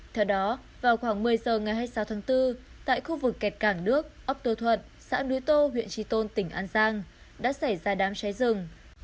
theo đó vào khoảng một mươi giờ ngày hai mươi sáu tháng bốn tại khu vực kẹt cảng nước ốc tô thuận xã núi tô huyện tri tôn tỉnh an giang đã xảy ra đám cháy rừng